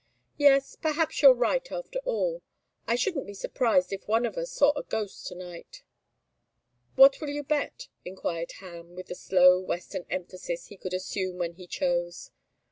Yes perhaps you're right after all. I shouldn't be surprised if one of us saw a ghost to night." "What will you bet?" enquired Ham, with the slow, western emphasis he could assume when he chose.